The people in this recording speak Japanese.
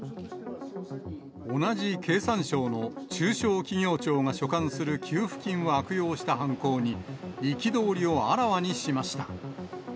同じ経産省の中小企業庁が所管する給付金を悪用した犯行に、憤りをあらわにしました。